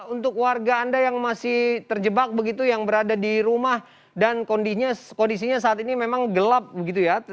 untuk warga anda yang masih terjebak begitu yang berada di rumah dan kondisinya saat ini memang gelap begitu ya